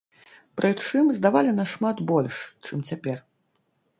Прычым здавалі нашмат больш, чым цяпер.